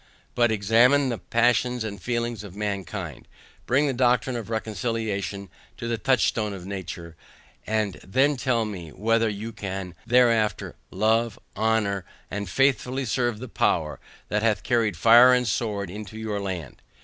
But examine the passions and feelings of mankind, Bring the doctrine of reconciliation to the touchstone of nature, and then tell me, whether you can hereafter love, honour, and faithfully serve the power that hath carried fire and sword into your land?